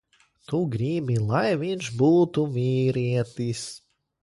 Tu gribi, lai viņš būtu vīrietis.